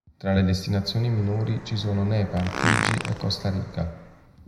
Tra le destinazioni minori ci sono Nepal, Figi e Costa Rica.